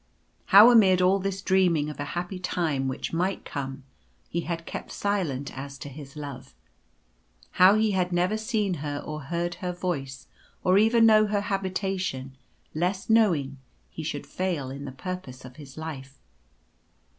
How amid all this dreaming of a happy time which might come, he had kept silent as to his love. How he had never seen her or heard her voice, or even known her habitation, lest, knowing, he should fail in the purpose of his life.